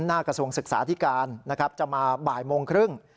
กระทรวงศึกษาธิการนะครับจะมาบ่ายโมงครึ่ง